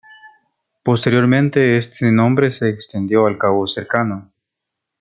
Posteriormente este nombre se extendió al cabo cercano.